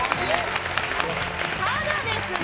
ただですね。